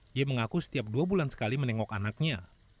dia mengaku setiap dua bulan sekali menengok anaknya